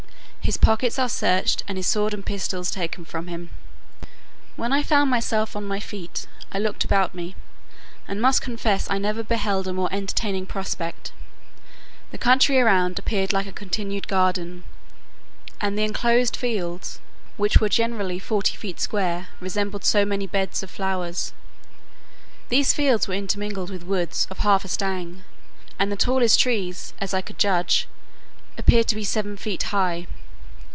His pockets are searched, and his sword and pistols taken from him. When I found myself on my feet, I looked about me, and must confess I never beheld a more entertaining prospect. The country around appeared like a continued garden, and the enclosed fields, which were generally forty feet square, resembled so many beds of flowers. These fields were intermingled with woods of half a stang, and the tallest trees, as I could judge, appeared to be seven feet high.